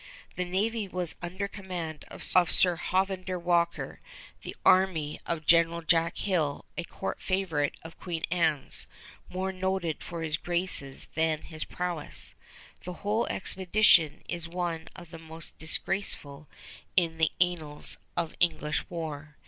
The navy was under command of Sir Hovender Walker; the army, of General Jack Hill, a court favorite of Queen Anne's, more noted for his graces than his prowess. The whole expedition is one of the most disgraceful in the annals of English war.